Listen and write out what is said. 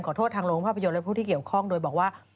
โทษทางโรงภาพยนตร์และผู้ที่เกี่ยวข้องโดยบอกว่า